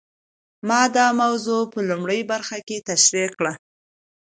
ما دا موضوع په لومړۍ برخه کې تشرېح کړه.